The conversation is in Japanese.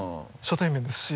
初対面ですし。